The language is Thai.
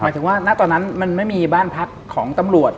หมายถึงว่าณตอนนั้นมันไม่มีบ้านพักของตำรวจ